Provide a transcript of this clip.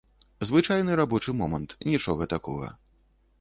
Звычайны рабочы момант, нічога такога.